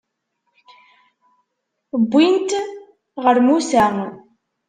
Wwin-t ɣer Musa.